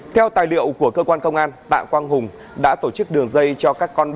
theo tài liệu của cơ quan công an tạ quang hùng đã tổ chức đường dây cho các con